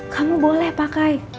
kamu boleh pakai